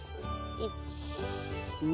１２。